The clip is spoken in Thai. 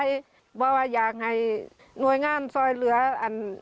อยากฝากอะไรชื้น